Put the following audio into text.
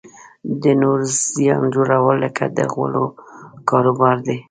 د نورو زیان جوړول لکه د غولو کاروبار دی.